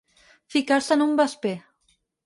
Ficar-se en un vesper.